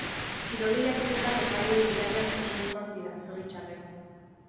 Kirol lehiaketetan epaileei irainak oso ohikoak dira, zoritxarrez.